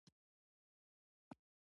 څلور د سلو نوټونه یې باید ورکړای وای.